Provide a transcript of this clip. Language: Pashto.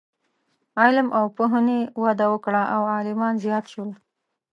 علم او پوهنې وده وکړه او عالمان زیات شول.